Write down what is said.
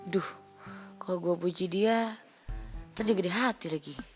duh kalau gue puji dia nanti dia gede hati lagi